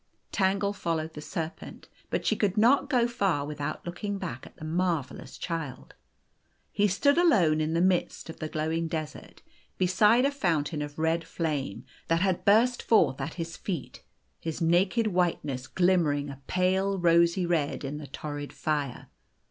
Tangle followed the serpent. But she could not go far without looking back at the marvellous Child. He stood alone in the midst of the glowing desert, beside a fountain of red flame that had burst forth at his feet, his naked whiteness glimmering a pale rosy red in the torrid fire.